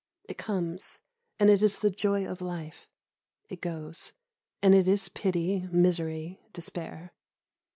It comes, and it is the joy of life; it goes, and it is pity, misery, despair.